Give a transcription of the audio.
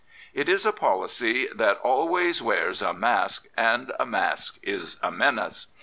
It is a policy that always wears a mask, and a mask fs a menace.